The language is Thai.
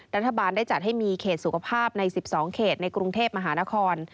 รัฐบาลได้จัดให้มีเขตสุขภาพใน๑๒เขตในกรุงเทพมหานคร